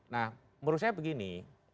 nah menurut saya begini